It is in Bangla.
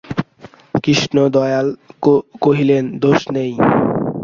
কৃষ্ণদয়াল কহিলেন, দোষ নেই!